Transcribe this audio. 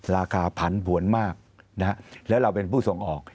ราคาผันผวนมากนะฮะแล้วเราเป็นผู้ส่งออก